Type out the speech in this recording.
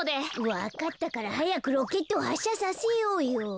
わかったからはやくロケットをはっしゃさせようよ。